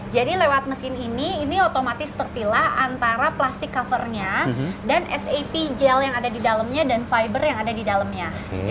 jadi lewat mesin ini ini otomatis terpilah antara plastik covernya dan sap gel yang ada di dalamnya dan fiber yang ada di dalamnya